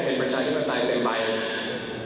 เป็นประชาธิปไตยเต็มไป